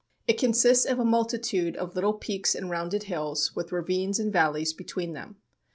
It consists of a multitude of little peaks and rounded hills, with ravines and valleys between them.